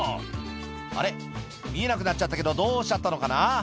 あれ見えなくなっちゃったけどどうしちゃったのかな？